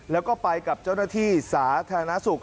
แล้วก็ไปกับเจ้าหน้าที่สาธารณสุข